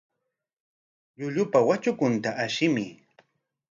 Llullupa watrakunta ashimuy.